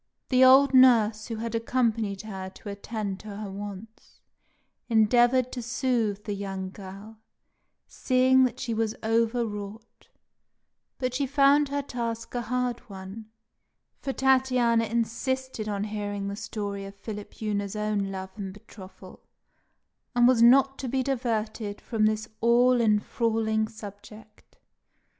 The old nurse, who had accompanied her to attend to her wants, endeavoured to soothe the young girl, seeing that she was over wrought; but she found her task a hard one, for Tatiana insisted on hearing the story of Philipjewna's own love and betrothal, and was not to be diverted from this all enthralling subject.